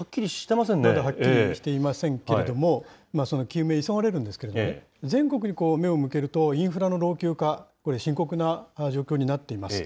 まだはっきりしていませんけれども、その究明急がれるんですけれどもね、全国に目を向けると、インフラの老朽化、これ、深刻な状況になっています。